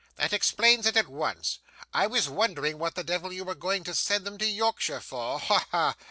'That explains it at once. I was wondering what the devil you were going to send them to Yorkshire for. Ha! ha!